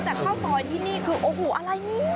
แต่ข้าวซอยที่นี่คือโอ้โหอะไรนี่